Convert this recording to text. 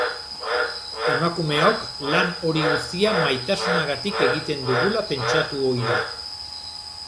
Emakumeok lan hori guztia maitasunagatik egiten dugula pentsatu ohi da.